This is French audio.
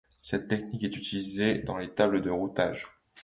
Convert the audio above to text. Cette technique est utilisée dans les tables de routage.